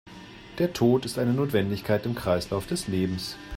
Der Tod ist eine Notwendigkeit im Kreislauf des Lebens.